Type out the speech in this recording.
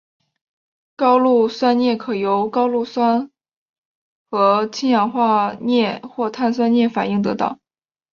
高氯酸镍可由高氯酸和氢氧化镍或碳酸镍反应得到。